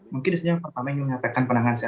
mungkin yang pertama yang menyampaikan pendapat saya